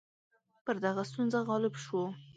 پر دغه ستونزه غالب شو.